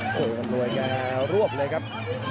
โอ้โหมันโดยแกร่รวบเลยครับ